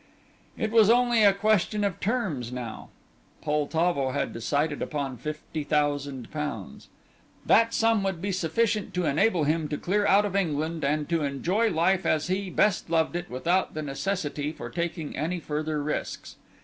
It was only a question of terms now. Poltavo had decided upon fifty thousand pounds. That sum would be sufficient to enable him to clear out of England and to enjoy life as he best loved it, without the necessity for taking any further risks.